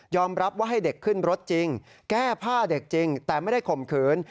รับว่าให้เด็กขึ้นรถจริงแก้ผ้าเด็กจริงแต่ไม่ได้ข่มขืน